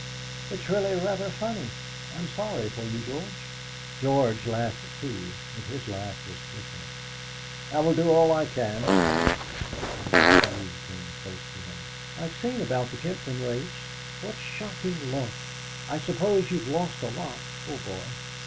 "It's really rather funny. I'm sorry for you, George." George laughed too, but his laugh was different. "I will do all I can," he said. Mrs. Bellew came close to him. "I've seen about the Kempton race. What shocking luck! I suppose you've lost a lot. Poor boy!